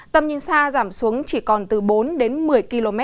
tầm nhìn xa giảm xuống chỉ còn từ bốn đến một mươi km